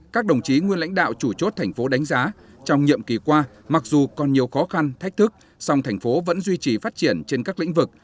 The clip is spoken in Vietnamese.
các đồng chí nguyên lãnh đạo chủ chốt thành phố đánh giá trong nhiệm kỳ qua mặc dù còn nhiều khó khăn thách thức song thành phố vẫn duy trì phát triển trên các lĩnh vực